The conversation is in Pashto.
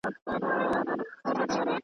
زوی یې پرانیستله خوله ویل بابکه.